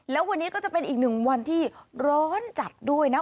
แล้ววันนี้ก็จะเป็นอีกหนึ่งวันที่ร้อนจัดด้วยนะ